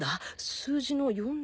数字の４０